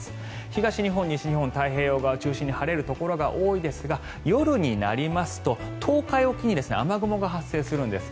東日本、西日本太平洋側中心に晴れるところがありますが夜になりますと東海沖に雨雲が発生するんです。